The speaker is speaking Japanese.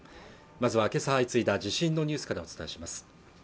まずは今朝相次いだ地震のニュースからお伝えします